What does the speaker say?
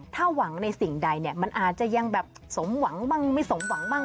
ถ้าหวังในสิ่งใดเนี่ยมันอาจจะยังแบบสมหวังบ้างไม่สมหวังบ้าง